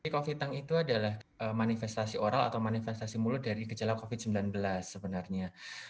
covid yang itu adalah manifestasi oral atau manifestasi mulut dari gejala covid sembilan belas sebenarnya